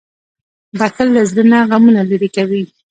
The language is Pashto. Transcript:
• بښل له زړه نه غمونه لېرې کوي.